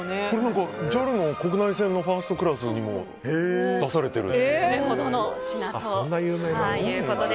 ＪＡＬの国内線のファーストクラスにも出されている。